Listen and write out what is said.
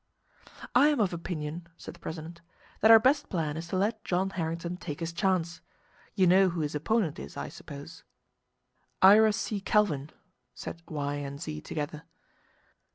"I am of opinion," said the president, "that our best plan is to let John Harrington take his chance. You know who his opponent is, I suppose?" "Ira C. Calvin," said Y and Z together.